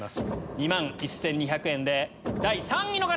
２万１２００円で第３位の方！